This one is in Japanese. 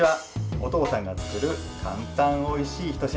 お父さんが作る簡単おいしいひと品。